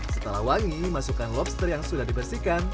setelah wangi masukkan lobster yang sudah dibersihkan